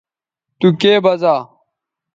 تو کے بزا